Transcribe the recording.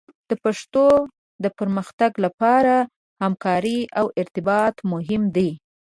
د پښتو د پرمختګ لپاره همکارۍ او ارتباط مهم دي.